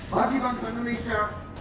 bagi bangsa indonesia